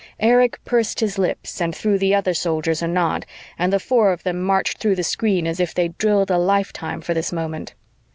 Erich pursed his lips and threw the other Soldiers a nod and the four of them marched through the screen as if they'd drilled a lifetime for this moment.